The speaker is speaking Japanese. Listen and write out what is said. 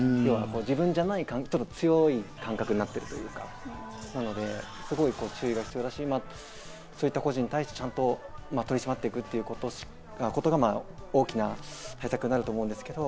自分じゃないという強い感覚になっているというか、注意が必要だし、そういった個人に対して、ちゃんと取り締まっていくということが大きな対策になると思うんですけど。